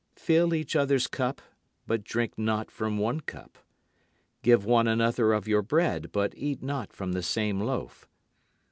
Fill each other's cup but drink not from one cup. Give one another of your bread but eat not from the same loaf.